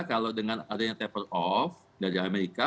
kalau dengan adanya taper off dari amerika